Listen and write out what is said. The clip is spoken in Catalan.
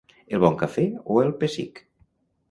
El Bon Cafè o el Pessic?